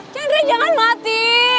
chandra jangan mati